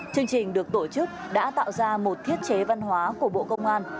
chương trình được tổ chức đã tạo ra một thiết chế văn hóa của bộ công an